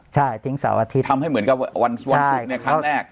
ใช่ทิ้งเสาร์อาทิตย์ทำให้เหมือนกับวันศุกร์เนี่ยครั้งแรก